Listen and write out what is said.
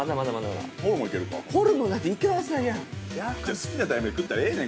◆好きなタイミングで食ったらええねん。